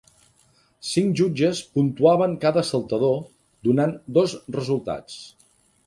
Cinc jutges puntuaven cada saltador, donant dos resultats.